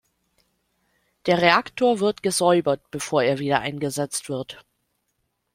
Der Reaktor wird gesäubert, bevor er wieder eingesetzt wird.